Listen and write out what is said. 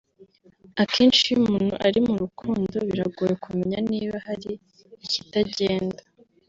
Akenshi iyo umuntu ari mu rukundo biragoye kumenya niba hari ikitagenda